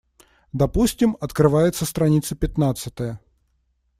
Допустим, открывается страница пятнадцатая.